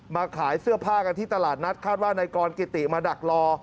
มาขายเสื้อผ้ากันที่ตลาดนัดคาดว่านายกรกิติมาดักรอ